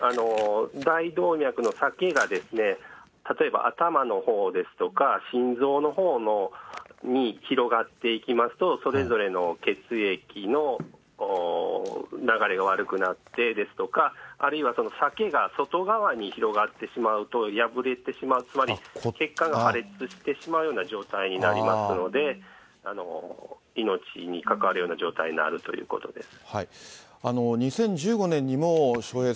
大動脈の裂けが例えば頭のほうですとか、心臓のほうに広がっていきますと、それぞれの血液の流れが悪くなってですとか、あるいは、裂けが外側に広がってしまうと、破れてしまう、つまり、欠陥が破裂してしまうような状態になりますので、こういうのって繰り返し起きるものなんですか？